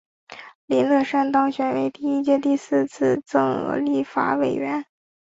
林乐善当选为第一届第四次增额立法委员。